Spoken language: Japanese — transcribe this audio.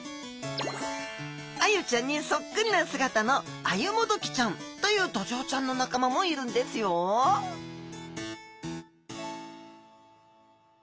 アユちゃんにそっくりな姿のアユモドキちゃんというドジョウちゃんの仲間もいるんですよはい。